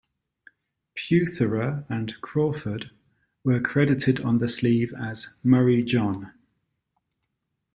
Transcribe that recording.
Peutherer and Crawford were credited on the sleeve as Murray-John.